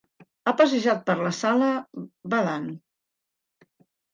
Ha passejat per la sala, badant.